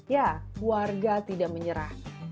ya warga tidak menyerah